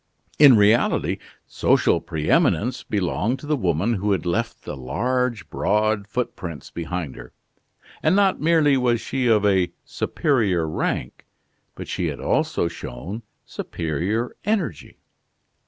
In reality, social preeminence belonged to the woman who had left the large, broad footprints behind her. And not merely was she of a superior rank, but she had also shown superior energy.